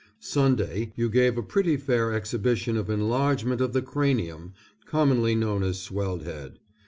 Sunday, you gave a pretty fair exhibition of enlargement of the cranium commonly known as swelled head.